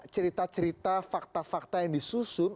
cerita cerita fakta fakta yang disusun